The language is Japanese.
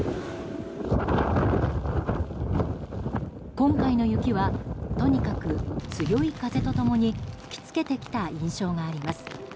今回の雪はとにかく強い風と共に吹き付けてきた印象があります。